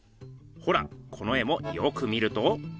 ほらこの絵もよく見ると。